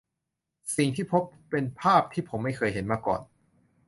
สิ่งที่พบเป็นภาพที่ผมไม่เคยเห็นมาก่อน